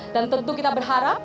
dan tentu kita berharap